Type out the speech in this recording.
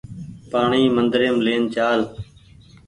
پآڻيٚ مندريم لين چآل